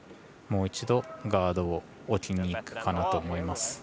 もう一度、ガードを置きにいくかなと思います。